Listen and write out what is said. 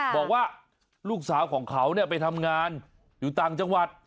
บอกว่าลูกสาวของเขาไปทำงานอยู่ต่างจังหวัด